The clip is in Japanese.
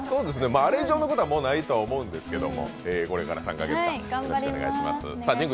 あれ以上のことはもうないとは思うんですけど、これから３か月間、よろしくお願いします。